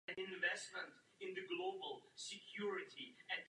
Postupně tak zaujal kompromisní stanovisko.